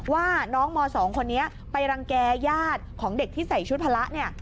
ว่าน้องม๒คนนี้ไปรังแก่ญาติของเด็กที่ใส่ชุดพละเนี่ย